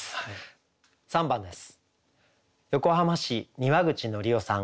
３番です。